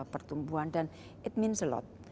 pertumbuhan dan it means a lot